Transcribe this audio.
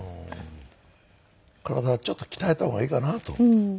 体をちょっと鍛えた方がいいかなと。